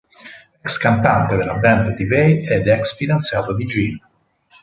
Ex-cantante della band D-Va e ex-fidanzata di Gin.